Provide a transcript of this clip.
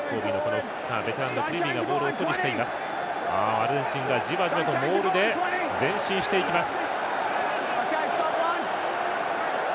アルゼンチンがじわじわとモールで前進していきます。